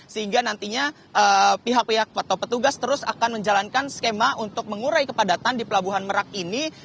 sehingga nantinya pihak pihak atau petugas terus akan menjalankan skema untuk mengurai kepadatan di pelabuhan merak ini